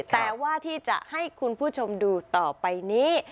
แต่ว่าที่จะให้คุณผู้ชมดูต่อไปนี้